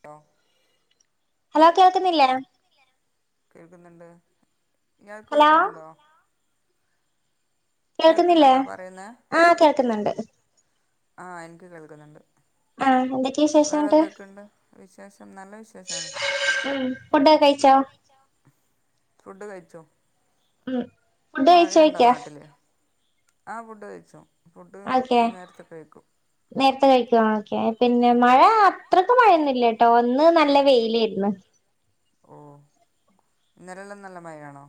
ട്ടോ ഹലോ കേൾക്കുന്നില്ലേ കേൾക്കുന്നുണ്ട് യാൾക്ക് കേക്കുന്നുണ്ടോ? കേൾക്കുന്നില്ലേ ആഹ് കേൾക്കുന്നുണ്ട് ആഹ് എനിക്ക് കേൾക്കുന്നുണ്ട് വേറെ എന്തൊക്കെയുണ്ട് വിശേഷം നല്ല വിശ്വാേഷണോ? ഫുഡ് കഴിച്ചോ ഉം മഴയുണ്ടോ നാട്ടില് ആ ഫുഡ് കഴിച്ചു ഫുഡ് നേരത്തെ കഴിക്കും നേരത്തെ കഴിക്കുവാണൊക്കെ പിന്നെ മഴ അത്രയ്ക്ക് മഴയൊന്നുല്ല ട്ടോ ഒന്ന് നല്ല വെയിലായിര്ന്ന് ഇന്നലല്ലാം നല്ല മയാണോ?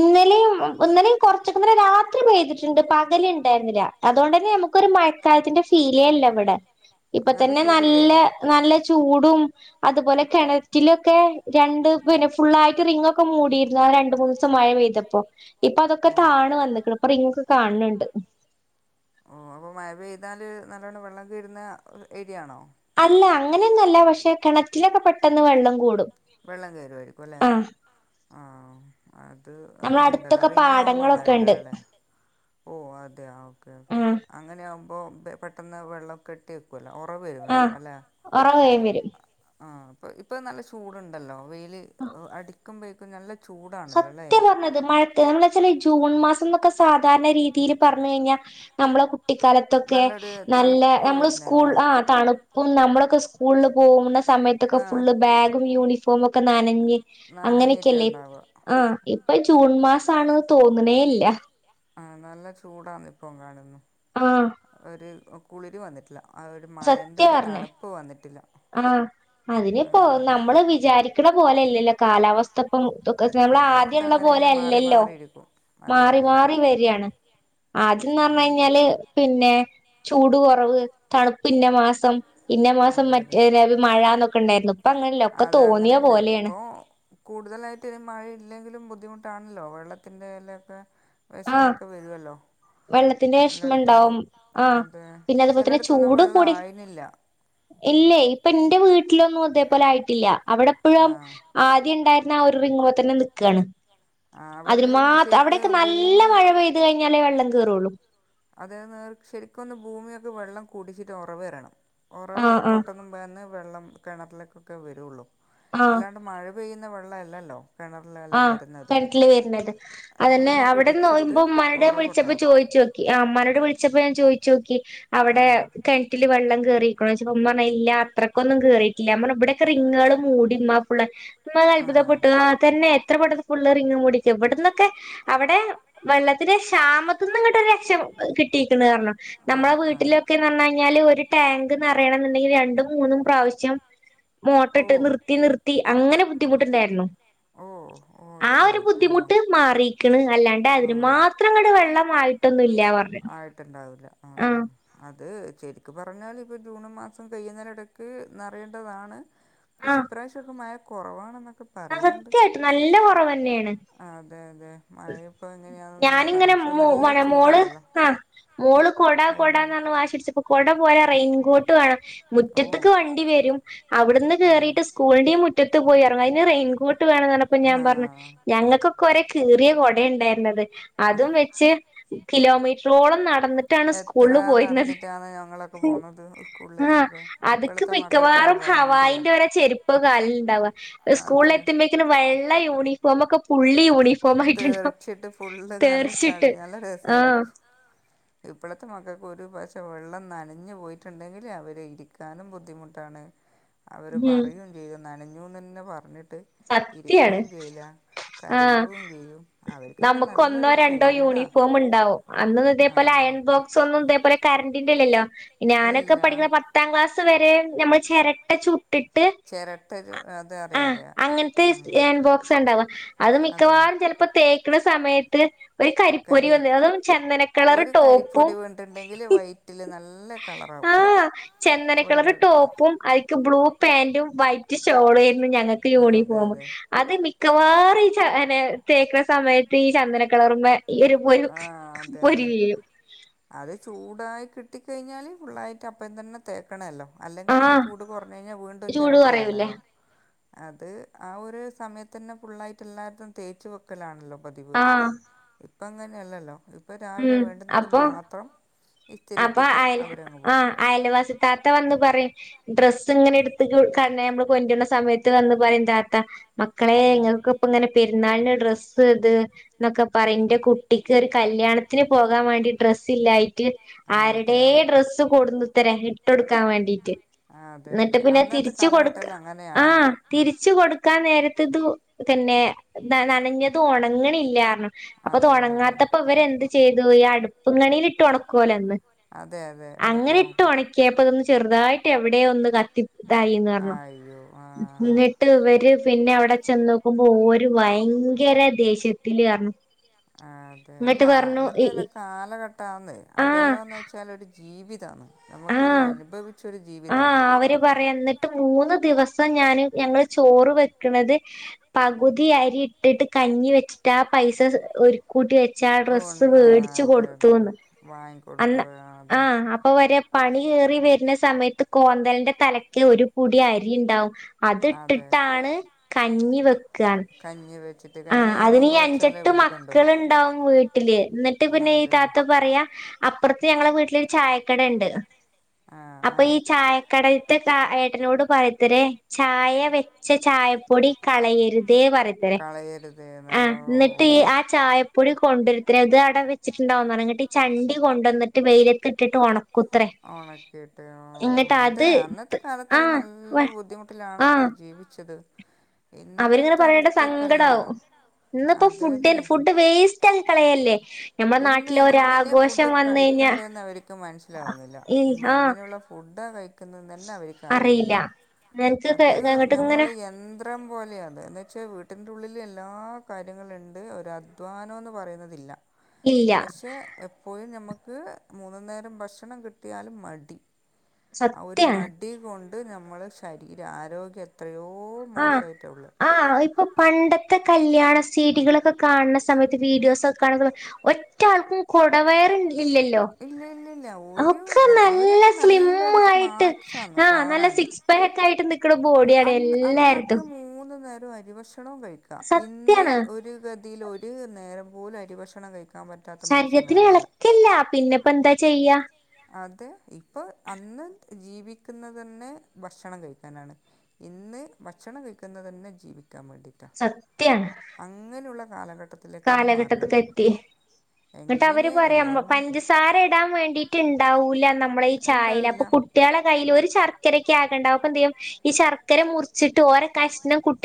ഇന്നലെയും ഇന്നലെയും കൊറച്ചൊക്കന്നെ രാത്രി പെയ്തിട്ടുണ്ട് പകല്ണ്ടായിരുന്നില്ല അതുകൊണ്ട് തന്നെ നമുക്കൊരു മഴക്കാലത്തിന്റെ ഫീലേല്ല ഇവിടെ ഇപ്പൊ തന്നെ നല്ല നല്ല ചൂടും അതുപോലെ കിണറ്റിലൊക്കെ രണ്ട് പിന്നെ ഫുള്ളായിട്ട് റിങൊക്കെ മൂടിയിരുന്നു ആ രണ്ട് മൂന്ന് ദിവ മഴ പെയ്തപ്പോ ഇപ്പൊ അതൊക്കെ താണു വന്ന്ക്ക്‌ണ്‌ പ്പം റിങ്ങൊക്കെ കാണന്ന്ണ്ട് ഓ അപ്പൊ മഴപെയ്താല് നല്ലോണ്ണം വെള്ളം കേരുന്ന ഏരിയ ആണോ അല്ല അങ്ങനെയൊന്നല്ല പക്ഷെ കിണറ്റിലൊക്കെ പെട്ടെന്ന് വെള്ളം കൂടും വെള്ളം കയറുവായിരിക്കുംല്ലേ ആഹ് അത് അങ്ങനെണ്ടല്ലേ റിങ്ങാവുമ്പോ അങ്ങനെണ്ടല്ലോല്ലേ ഓ അതെ ഓക്കേ ഓക്കേ അങ്ങനെയാകുമ്പോ പെ പെട്ടെന്ന് വെള്ളം കെട്ടിക്കൂല ഉറവ് വരും വേഗം അല്ലേ ഇപ്പ ഇപ്പം നല്ല ചൂടുണ്ടല്ലോ വെയില് അടിക്കുമ്പോഴേക്കും നല്ല സത്യം പറഞ്ഞത് മഴത്തെ നമ്മള് വെച്ചാഈ ജൂൺ മാസം ന്നൊക്കെ സാധാരണ രീതിൽ പറഞ്ഞ്കഴിഞ്ഞാൽ നമ്മളെ കട്ടിക്കാലത്തൊക്കെ നല്ല നമ്മള് സ്കൂൾ ആ തണുപ്പും നമ്മളൊക്കെ സ്കൂളില് പോകുന്ന സമയത്തൊക്കെ ഫുള് ബാഗും യൂണിഫോമൊക്കെ നനഞ്ഞ് അങ്ങനെയൊക്കെല്ലേ ആഹ് ഇപ്പൊ ജൂൺ മാസം ആണെന്ന് തോന്നണേ ഇല്ല ആ നല്ല ചൂടാണിപ്പ കാണുന്നെ ആഹ് കുളിര് വന്നിട്ടില്ല ആ ഒരു മഴൻ്റെ ഒരു തണുപ്പ് വന്നിട്ടില്ല ആഹ് അതിനിപ്പോ നമ്മള് വിചാരിക്കണ പോലെല്ലല്ലോ കാലാവസ്ഥ ഇപ്പം തൊക്ക മ്മള് ആദ്യള്ള പോലെ അല്ലല്ലോ മാറി മാറി വരിയാണ് ആദ്യംന്ന് പറഞ്ഞഴിഞ്ഞാല് പിന്നെ ചൂട് കുറവ് തണുപ്പ് ഇന്ന മാസം ഇന്ന മാസം മ ഇ മഴന്നൊക്കെ ഉണ്ടായിരുന്നു ഇപ്പൊ അങ്ങനല്ല ഒക്കെ തോന്നിയ പോലെയാണ് കൂടുതലായിട്ട് ഇനി മഴയില്ലെങ്കിലും ബുദ്ധിമുട്ടാണല്ലോ വെള്ളത്തിൻറെ എല്ലൊക്കെ വെഷമൊക്കെ വരുവല്ലോ വെള്ളത്തിന്റെ വെശ്മണ്ടാവും ആഹ് പിന്നെ അതുപോൽതന്നെ ചൂട് കൂടി ഇല്ലേ ഇപ്പന്റെ വീട്ടിലൊന്നും അതേപോലെ ആയിട്ടില്ല അവിടെ എപ്പഴും ആദ്യ ഉണ്ടായി ഞ ഒരു റിങ്ങുമ്പത്തന്നെ നിക്കുവാണ് അതിന് മാത്ര അവിടെക്കെ നല്ല മഴ പെയ്തു കഴിഞ്ഞാലേ വെള്ളം കേറുള്ളൂ അതെ തേ ശരിക്കൊന്ന് ഭൂമിയൊക്കെ വെള്ളം കുടിച്ചിട്ട് ഉറവ് വരണം ഒറവ് പൊട്ടന്നും പോന്ന് വെള്ളം കിണറിലേക്കൊക്കെ വരുള്ളൂ അല്ലാണ്ട് മഴ ഇപ്പെയ്യ്ന്ന വെള്ളല്ലല്ലോ ആഹ കെണറ്റില് വെര്ന്നത് അതന്നെ അവിടെന്നോയ്പ മടെ വിളിച്ചപ്പോ ചോയ്ച്ചോക്കി മ്മാനോട് വിളിച്ചപ്പോ ഞാൻ ചോയിച്ചു നോക്കി അവിടെ കിണറ്റില് വെള്ളം കേറി മ്മ ർഞ്ഞ് ഇല്ല അത്രക്കൊന്നും കേറിയിട്ടില്ല മ്മ ഇവിടെക്കെ റിങ്ങൾ മൂടിമ്മാ മ്മതൽപുതപ്പെട്ടു ആ ന്നെ ത്ര പ്പെട്ടെന്ന് ഫുള്ള് റിംഗ് മൂടീ‌ക്കോ അവിടെ വെള്ളത്തിന്റെ ക്ഷാമത്ത്ന്ന്‌ ലക്ഷം കിട്ടീകിണർഞു നമ്മളെ വീട്ടിലൊക്കെന്ന് പഞഴിഞ്ഞാല് ടാങ്ക് നറേണം ന്നിണ്ടെങ്കി രണ്ടും മൂന്നും പ്രാവശ്യം മോട്ട്രിട്ട് നിർത്തി നിർത്തി അങ്ങനെ ബുദ്ധിമുട്ടിണ്ടായിരുന്നു ഓ ആ ഒരു ബുദ്ധിമുട്ട് മാറീക്കിണ് അല്ലാണ്ട് അതിനും മാത്രങ്ങട് വെള്ളം ആയിട്ടൊന്നുല്ല ആയിട്ടുണ്ടാവില്ല ആ അത് ശരിക്കും പറഞ്ഞാല് ഇപ്പോ ജൂൺ മാസം കൈയുന്നേനെടക്ക് നറേണ്ടതാണ് പക്ഷെ ഇപ്രാവശ്യൊക്കെ മഴ കൊറവാണെന്നൊക്കെ ആ സത്യായിട്ട് നല്ല കൊറവെന്ന്യാണ് അതെ മഴേപ്പോ എങ്ങനെയാന്നൊന്നു ഇനി പറയാ പഷെ നല്ല ചൂടാണല്ലോ മോള് കൊട കൊടാ ന്നർഞ്ഞ്ല വാശ്യുട്ചപ്പൊ കൊട ഓര റെയിൻകോട്ട് വേണം മുറ്റത്തിക്ക് വണ്ടി വരും അവിടുന്ന് കേറീട്ട് സ്കൂൾന്റിം മുറ്റ ത്ത് പോയെർങ്ങു അയ്യ് റെയിൻകോട്ട് വേണന്നർഞപ്പ ഞാൻ പർഞ്ഞ് ഞങ്ങക്കൊക്കൊരെ കീറ്യെ കൊ ടേണ്ടേര്ന്നത് അതും വെച്ച് കിലോമീറ്ററോളം നടന്നിട്ടാണ് സ്കൂൾല് പോയിരുന്നത് ആന്ന് ഞങ്ങളൊക്കെ പോന്നത് സ്കൂളിലേക്കിക്കെ ഇപ്പളിത്തെ മക്കക്കെല്ലാം വണ്ടിയാ ൽണ്ടാവാ ഇസ്‌കൂൾലെത്തുമ്പേക്കിനും വെള്ള യൂണിഫോമൊക്കെ പുള്ളി യൂണി തേറിച്ചിട്ട് ഫുള്ള് നല്ല ചളി നല്ല രസാരിക്കും ഇപ്പളത്തെ മക്കൾക്ക് ഒരു പശെ വെള്ളം നനഞ്ഞു പോയിട്ടുണ്ടെങ്കില് അവരെ ഇരിക്കാനും ബുദ്ധിമുട്ടാണ് അവര് പറയും ചെയ്യും നനഞ്ഞൂന്നെന്നെ പർഞ്ഞിട്ട് ഇരിക്കൂം ചെയ്ല്ല ആഹ് നമുക്കൊന്നോ രണ്ടോ യൂണിഫോമിണ്ടാവും അന്നൊന്നുതേപോലെ അയൺ ബോക്സന്നുതേപോലെ കറന്റി ലല്ലല്ലോ ഞാനൊക്കെ പഠിക്കിന്നൺണ പത്താം ക്ലാസ്സ് വരേ ഞമ്മള് ചെരട്ട ചു ചെരട്ട ചു അത് അറിയ അറിയ അങ്ങൻത്തെസ് ഏൺബോക്സിണ്ടാവാ അത് മിക്കവാറും ചെൽപ്പോ തേക്കിണ സമയത്ത് ഒരു കരിപ്പൊരി വന്ന അതും ചന്ദനക്കളർ ടോപ്പും ആഹ് ചന്ദനക്കളറ് ടോപ്പും അയ് ക്ക് ബ്ലൂ പാന്റും വൈറ്റ് ഷോളേര്ന്നി ഞങ്ങക്ക് യൂണിഫോമ് അത് മി മിക്കുവാറും ഈ ച അനെ തേക്കിണ സമയത്ത് ഈ ചന്ദന കിളറുമ്മെ ആഹ് അതെ അതെ അത് ചൂടായി കി ട്ടിക്കഴ്ഞ്ഞാല് ഫുള്ളായിട്ട് അപ്പം എ തന്നെ തേക്കണെല്ലോം അല്ലെങ്കി പിന്നെ ചൂട് കൊർഞ്ഞഴിഞ്ഞാ വീണ്ടും ചെരട്ട ഇടണല്ലോ അത് ആ ഒരു സമയത്തന്നെ ഫുള്ളായിട്ടെല്ലാര്തും തേച്ച് വെക്കലാണല്ലോ പതിവ് ഇപ്പങ്ങനല്ലല്ലോ ഇപ്പൊ രാവിലെ വേണ്ടുന്നത് മാത്രം അപ്പൊ അയൽ ആഹ് അയൽവാസിത്താത്ത വന്ന് പറയും ഡ്രസ്സിങ്ങനയട്ത്ത് ക നമ്മള് [unintelligible] സമയത്ത് വന്ന് പറയും താത്ത മക്കളെ ങ്ങൾകൊക്കെപ്പങ്ങനെ പെരുന്നാൾന് ഡ്രസ്സ് ഇത് ഇന്നൊക്കെ പറിം ഇന്റെ കുട്ടിക്ക് ഒരു കല്യാണത്തിന് പോകാൻ വാണ്ടി ഡ്ര സ്സില്ലായിട്ട് ആരുടേ ഡ്രസ്സ് കൊട്ന്നു ത്തരെ ഇട്ടൊടുക്കാൻ വേണ്ടിട്ട് ഇന്നിട്ട് പിന്നെ തിരിച്ചു കൊടുക്ക് ആഹ് തിരിച്ചു കൊടുക്കാൻ നേരത്ത് ഇത് പിന്നെ നനഞ്ഞതു ഒണങ്ങണില്ലാർഞു അപ്പൊ തൊണങ്ങാത്തപ്പോ ഇവരെന്ത് ചെയ്തു ഈ അടുപ്പും കണീലിട്ടൊണക്ക്വോലൊന്ന് അതെ അതെ എടുക്കും ഒണക്കും ചെർതായിട്ട് എവിടെയോ ഒന്ന് കത്തിതായിന്നർഞു ഇന്നിട്ട് ഇവര് പിന്നെ അവിടെ ചെന്നൊക്കുമ്പോൾ ഒരു ഭയ്ങ്കര ദേഷ്യത്തിലർഞു അതെ അല്ല അങ്ങൻത്തെല്ലാം കാലഘട്ട ആന്ന് അതെല്ലാം ഒന്ന് [unintelligible] ജീവിതാന്ന് ആഹ് ആഹ് അവര് പറയാ ഇന്നിട്ട് മൂന്ന് ദിവസ് സ ഞൻ ഞങ്ങള് ചോറ് വെക്കിണത് പകുതി അരി ഇട്ടിട്ട് കഞ്ഞി വെച്ചിട്ടാ പൈസ സ ഒരുക്കൂട്ടി ച്ചാ ഡ്രസ്സ് വേടിച്ചു കൊടുത്തൂന്ന് അന്ന ആ അപ്പ വരെ പണി കേറി വരുന്ന സമയത്ത് കോന്തലിന്റെ തലയ്ക്ക് ഒരുപൂടി അരി ഉണ്ടാവും അതിട്ടിട്ട് ാണ് കഞ്ഞി വെ കഞ്ഞ വ ആ അതിന് അഞ്ചെട്ട് മക്കൾുണ്ടാവും വീട്ടില് എന്നിട്ട് പിന്നെ ഈ താത്ത പറയാ അപ്പുറത്ത് ഞങ്ങളെ വീട്ടിലൊരു ചായക്കട ഉണ്ട് അപ്പൊ ഈ ചായക്കടത്തെ ട്ടനോട് പറയത്തി ചായ വെച്ച ചായപ്പൊടി കളയരുതേ പറയ കളയരുത് എന്നാ ഓ ഓ കൊണ്ടുവരുത്തി അത് അവിടെ വച്ചിട്ടുണ്ടാവുന്നാണ്ങ്ങിട്ട് ഈ ചണ്ട കൊണ്ട വന്നിട്ട് വെയിലൊക്കെ ഇട്ടിട്ട് കൊഓണം ഉണക്കിട്ടെ ഓ അതെ അന്നത്തെ കാലത്തല്ലാം നല്ല ബുദ്ധിമുട്ടിലാണ്പ്പ അജീവ ിച്ചത് അവരിങ്ങനെ പറയണ്ട സങ്കട ആവും ഇന്നിപ്പോ ഫുഡ ഫുഡ് വേസ്റ്റ് ആ കളയല്ലേ ഞമ്മുടെ നാട്ടിൽ ഒരാഘോഷം വന്ന കഴിഞ്ഞാ ആഹ ുന്നു തന്നെ അവർക്ക്റിയുന്നില്ല അത് നമ്മള് യന്ത്രം പോലെയാണ് എന്ന വച്ചാ വീട്ടി എറെ ഉള്ളിൽ എല്ലാ കാര്യങ്ങളുണ്ട് ഒ അധ്വാനം എന്ന് പറയുന്നതില്ല പക്ഷെ എപ്പോഴും നമുക്ക് മൂന്ന് നേരം ഭക്ഷണം കിട്ടിയാലും മടി ആ ഒരു മടി കൊണ്ട് നമ്മള് ശരീരം ആരോഗ്യം എത്രയോ ആ ആ ഇപ്പൊ പണ്ടത്തെ കല്യാണ സീടികളൊക്കെ കാണ സമയത്ത് വീഡിയോസ് ഒക്കെ കാണുന്ന സ ഒറ്റ ആൾക്കും കൊടവയറുണ്ട് ഇല്ല ഇല്ല ഇല്ല ഒരു അവരൊക്കെ നല്ലൊരു സ്മാർട്്സ്ാണ് കാണാൻ സിക്സ്ക്ക ആയി് ബോഡിയട അന്നൊക്കെ മൂന്ന് നേരംമായി പക്ഷെ ഭക്ഷ കഴിക്ക ഇന്ന് ഒരു ഗതിയിൽ ഒരു നേരം പോലും അരി ഭക്ഷണം കഴിക്കുക ശരീരത്തിന് ഇളക്കല്ല പിന്നെ ഇപ്പ എന്താ ചെയ്യാ അതെ ഇപ്പൊ അന്ന് ജീവിക്കുന്നത് തന്നെ ഭക്ഷണം കഴിക്കാനാണ് ഇന്ന് ഭക്ഷണം കഴിക്കുന്നത് തന്നെ ജീവിക്കാൻ വേണ്ടിട്ടാ അങ്ങനെയുള്ള കാലഘട്ടത്ത കത്തി എന്നങ്ങിട്ട് അവര് പറയാംമ്മ പഞ്ചസാര ഇടാൻ വേണ്ടിട്ട് ഇണ്ടാവൂല നമ്മ ഈ ചായൽ അപ്പൊ കുട്ടികളെ കയ്യിൽ ഒരു ശർക്കരൊക്കെ ആകണ്ടാവും അപ്പ എന്ത് ചെയ്യും ഈ ശർക്കര മുറിച്ചട്ട് ഓരോ കഷ്ണം കുട്ട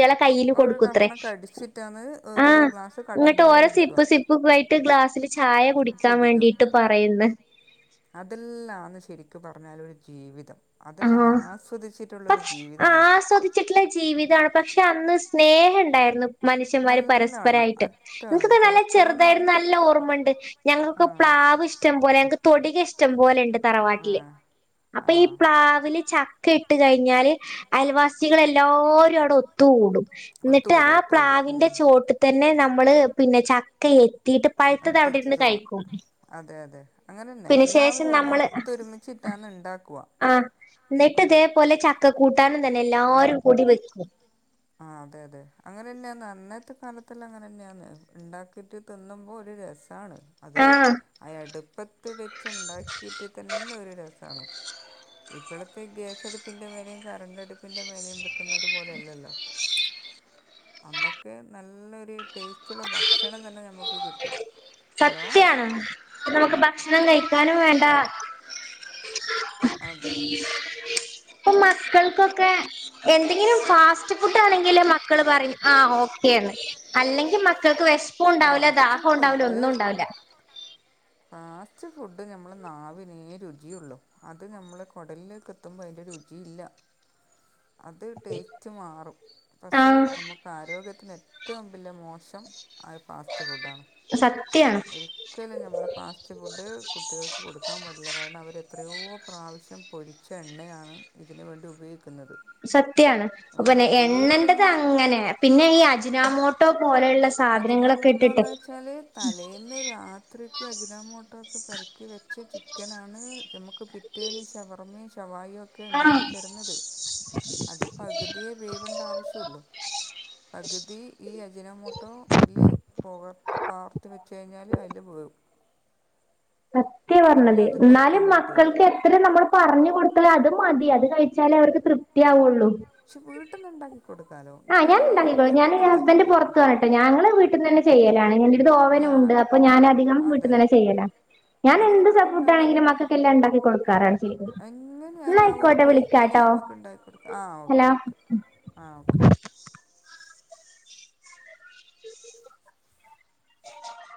ഒരു കഷണം കടിച്ചിട്ടന്ന് ഒരു ഒരു ഗ്ലാസ് ക അങ്ങിട്ട് ഓരോ സിപ്പ് സിപ്പ്യിട്ട് ഗ്ലാസ്സില് ചായ കുടിക്കാൻ വേണ്ടിട്ട് പറയുന്നു അതല്ലാന്ന് ശരിക്കും പറഞ്ഞാൽ ഒരു ജീവിതം അതിൽ ആസ്വദിച്ചു പക്ഷെ ആസ്വദിച്ചിട്ടുള്ള ജീവിതമാണ് പക്ഷെ അന്ന് സ്നേഹം ഉണ്ടായിരുന്നു മനുഷ്യന്മാര് പരസ്പരമായിട്ട് നിനക്ക് നല്ല ചെറുതായിരുന്നു നല്ല ഓർമ്മുണ്ട് ഞങ്ങക്ക പാവ് ഇഷ്ടം പോലെ ക്ക് തൊടിക ഇഷ്ടം പോലെ ഉണ്ട് തറവാട്ടില് അപ്പൊ ഈ അതില് ചക്ക ഇട്ട് കഴിഞ്ഞാല് അയൽവാസികൾ എല്ലാവരും അവിടെ ഒത്തുകൂടും എന്നിട്ട് ആ പ്ലാവിന്റെ ചുവട്ട് തന്നെ നമ്മള് പിന്നെ ചക്ക തീട്ട പഴത്തത് അവിടെന്ന് കഴിക്കും അതെ അതെ അങ്ങനെന്നെ എല്ലാവരും ഒ ഒത്തൊരുമിച്ചിട്ടാണ് ഉണ്ടാക്കുവാ ആഹ ന്നിട്ട് ഇതേപോലെ ചക്ക കൂട്ടാനും തന്നെ എല്ലാരും കൂടി വെക്കും ആ അതെ അതെ അങ്ങനെന്നെയാ അന്നത്തെ കാലത്തില് അങ്ങനെ തന്നെയാന്ന് ഉണ്ടാക്കിട്ട് തിന്നുമ്പോ ഒരു രസം രസാണ് അതിന് അ അടുപ്പത്ത് വെച്ച്ണ്ടാക്കിയിട്ട് തന്നെ ഒരു രസമാണ് ഇപ്പോഴത്തെ ഗ്യാസടുപ്പിന്റെ വെലയും കറണ്ടടുപ്പിന്റെ വിലയും വെക്കുന്നത് പോലെയല്ലല്ലോ [inaudible] അന്നൊക്കെ നല്ലൊരു ടേസ്റ്റുള്ള ഭക്ഷണം തന്നെ നമുക്ക് കിട്ടും സത്യാണ് നമുക്ക് ഭക്ഷണം കഴിക്കാനും വേണ്ട അദെ മക്കൾക്കൊക്കെ എന്തെങ്കിലും ഫാസ്റ്റ് ഫുഡ് ആണെങ്കിൽ മക്കൾ പറിം ആ ഓക്കെ അല്ലെങ്കി മക്കൾക്ക് വെഷ്പുണ്ടാവൂല ദാഹണ്ടാവൂല ഒന്നും ഉണ്ടാവുല. ഫാസ്റ്റ് ഫുഡ് നമ്മള് നാവിനേ രുജിയുള്ളു അത് ഞമ്മളെ കൊടലിലേക്ക് എത്തുമ്പോ അതിന്റെ രു രുജി ഇല്ല. അത് ടേസ്റ്റ് മാറും പക്ഷേ നമുക്ക് ആരോഗ്യത്തിന് ഏറ്റവും വല്യ മോശം. അഹ്‌ ഫാസ്റ്റ് ഫുഡാണ്. ഒരിക്കലും ഞമ്മള് ഫാസ്റ്റ് ഫുഡ് കുട്ടിൾക്ക് കൊടുക്കാൻ പാടില്ല കാരണം അവര്. എത്രയോ പ്രാവശ്യം പൊരിച്ച എണ്ണയാണ് ഇതിന് വേണ്ടി ഉപയോ സത്യാണ് അഹ്‌ പിന്നെ എണ്ണന്റത് അങ്ങനെ പിന്നെ ഈ അജ്നാമോ അജിനമോട്ടോന്ന് വെച്ചാല് തലേന്ന് രാത്രിക്കും അജിനാമോ ട്ടൊ ഒക്കെ പെരക്കി വെച്ച ചിക്കനാണ്. നമുക്ക് പിറ്റേന്ന് ഷവർമ്മയും ശവായയും ഒക്കെ ഉണ്ടാക്കിത്തരുന്നത്. അത് പകുതിയെ വേവേണ്ടആവശ്യള്ളു പകുതി ഈ അജ്നമോട്ടോ ൽ പൊ പാർത്ത് വെച്ച് കഴിഞ്ഞാല് അതില് വേവും. സത്യ പറഞ്ഞത് ന്നാലും മക്കൾക്ക് എത്ര നമ്മൾ പറഞ്ഞു കൊട് അതു മതി അത് കഴിച്ചാലേ അവർക്ക് തൃപ്തിയാവുള്ളൂ. പക്ഷെ വീട്ട്ന്ന് ണ്ടാക്കി കൊട് ആഹ്‌ ഞാൻ ഇണ്ടാക്കി കൊ ഞാൻ ഈ ഹസ്ബന്റ് പൊർത്താണ് ട്ടോ ഞങ്ങള് വീട്ട്ന്നന്നെ ചെയ്യലാണ്. ഇന്ടെട്ത്ത് ഓവനും ഉണ്ട് അപ്പൊ ഞാൻ അധികം വീട്ടുന്നന്നെ ചെയ്യലാ. ഞാൻ എന്ത് [unintelligible] ണെങ്കിലും മക്കക്കെല്ലാം ഇണ്ടാക്കി കൊടുക്കാറാണ് ചെയ്യൽ ന്ന ആയിക്കോട്ടെ വിളിക്ക ട്ടൊ. നമുക്ക് ഉണ്ടാക്കിക്കൊടുക്കാം ആ ഓക്കെ ഓക്കെ ആ ഓക്കെ. [inaudible]